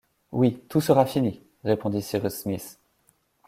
Oui, tout sera fini! répondit Cyrus Smith.